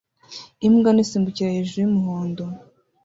Imbwa nto isimbukira hejuru y'umuhondo